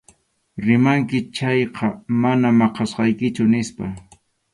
Rimanki chayqa mana maqasaykichu, nispa.